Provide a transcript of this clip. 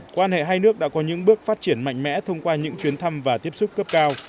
quan hệ hai nước đã có những bước phát triển mạnh mẽ thông qua những chuyến thăm và tiếp xúc cấp cao